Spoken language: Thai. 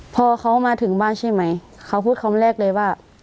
พอเขามาถึงบ้านใช่ไหมเขาพูดคำแรกเลยว่า